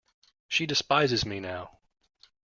She despises me now.